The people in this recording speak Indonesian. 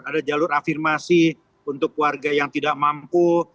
ada jalur afirmasi untuk warga yang tidak mampu